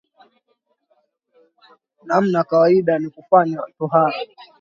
Namna ya kawaida ni kufanya tohara